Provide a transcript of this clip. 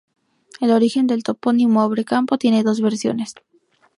El origen del topónimo Abre-Campo tiene dos versiones.